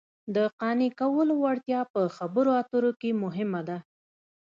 د قانع کولو وړتیا په خبرو اترو کې مهمه ده